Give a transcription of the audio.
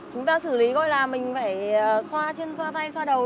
chúng ta xử lý coi là mình phải xoa chân xoa tay xoa đầu